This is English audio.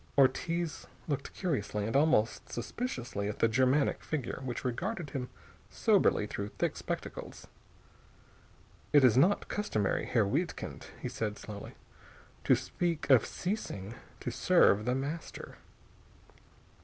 Ortiz looked curiously and almost suspiciously at the Germanic figure which regarded him soberly through thick spectacles. "It is not customary, Herr Wiedkind," he said slowly, "to speak of ceasing to serve The Master."